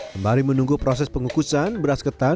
kembali menunggu proses pengukusan beras ketan